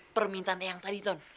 permintaan eyang tadi ton